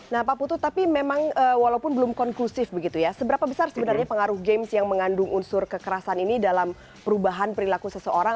nah pak putu tapi memang walaupun belum konklusif begitu ya seberapa besar sebenarnya pengaruh games yang mengandung unsur kekerasan ini dalam perubahan perilaku seseorang